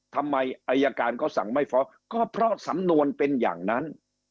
ทำไมอายการเขาสั่งไม่ฟ้องก็เพราะสำนวนเป็นอย่างนั้น